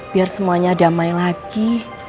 biar semuanya damai lagi